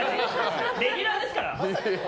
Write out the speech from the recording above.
レギュラーですから。